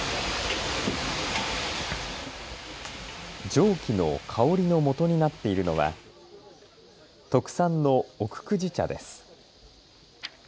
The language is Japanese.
蒸気の香りのもとになっているのは特産の奥久慈茶です。